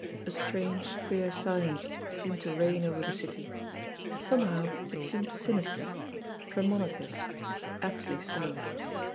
A strange, queer silence seemed to reign over the city. Somehow it seemed sinister, premoni tive aptly so.